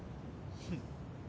フッ。